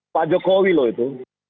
pak jokowi loh itu